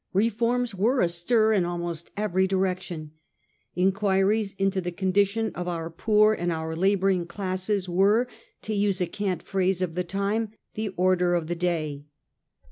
Reforms were astir in almost every direction. Inquiries into the condition of our poor and our labouring classes were, to use a cant phrase of the time, the order of the day.